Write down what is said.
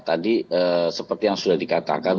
tadi seperti yang sudah dikatakan